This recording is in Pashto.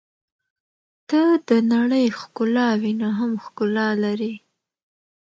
• ته د نړۍ ښکلاوې نه هم ښکلا لرې.